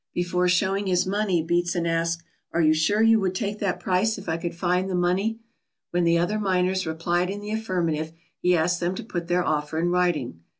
Before showing his money Beatson asked: "Are you sure you would take that price if I could find the money?" When the other miners replied in the affirmative, he asked them to put their offer in writing.